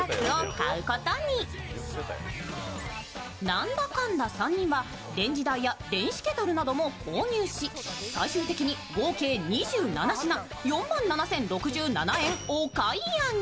なんだかんだ３人はレンジ台や電子ケトルなども購入し最終的に合計２７品、４万７０６７円をお買い上げ。